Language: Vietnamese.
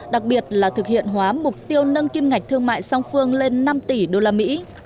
đặc biệt là thực hiện hóa mục tiêu nâng kim ngạch thương mại song phương lên năm tỷ usd